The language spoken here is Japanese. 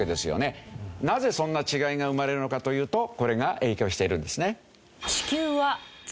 なぜそんな違いが生まれるのかというとこれが影響しているんですね。